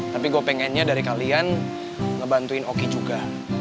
tapi gue pengennya dari kalian ngebantuin oki juga